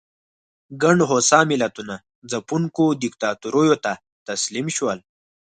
ګڼ هوسا ملتونه ځپونکو دیکتاتوریو ته تسلیم شول.